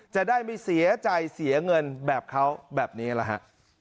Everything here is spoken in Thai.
จะได้ไม่เสียใจเสียเงินแบบเขาแบบนี้แหละฮะ